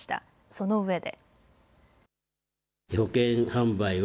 そのうえで。